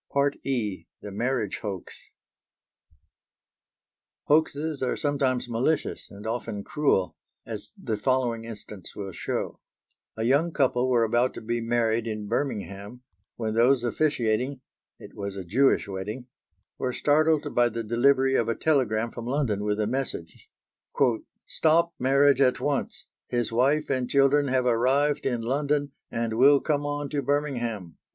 E. THE MARRIAGE HOAX Hoaxes are sometimes malicious, and often cruel, as the following instance will show: A young couple were about to be married in Birmingham when those officiating it was a Jewish wedding were startled by the delivery of a telegram from London with the message: "Stop marriage at once. His wife and children have arrived in London and will come on to Birmingham."